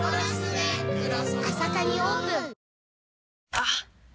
あっ！